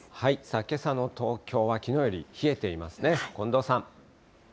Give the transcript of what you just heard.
けさの東京はきのうより冷えていますね。